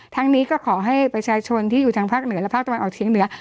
ทั้งนี้ก็ขอให้ประชาชนที่อยู่ทางภาคเหนือและภาคตะวันออกเชียงเหนือ